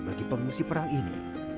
sebagai pengungsi perang ini